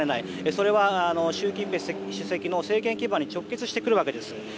それは、習近平主席の政権基盤に直結してくるわけです。